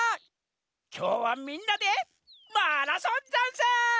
きょうはみんなでマラソンざんす！